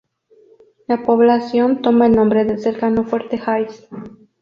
La población toma el nombre del cercano Fuerte Hays.